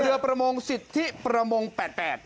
เรือประมงสิทธิประมงแปด